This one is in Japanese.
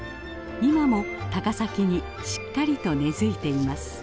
今も高崎にしっかりと根づいています。